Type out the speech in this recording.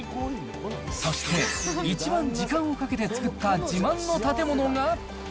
そして一番時間をかけて作った自慢の建物が。